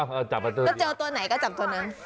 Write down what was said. ก็เจอตัวไหนก็จับตัวเนี่ย